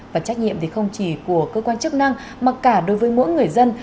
và trách nhiệm không chỉ của cơ quan chức năng mà cả đối với mỗi người dân